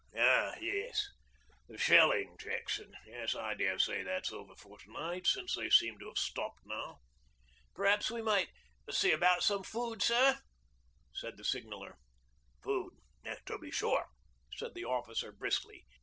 'Oh ah, yes; the shelling, Jackson. Yes, I dare say that's over for to night, since they seem to have stopped now.' 'P'raps we might see about some food, sir,' said the signaller. 'Food to be sure,' said the officer briskly.